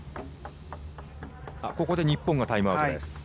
ここで日本がタイムアウト。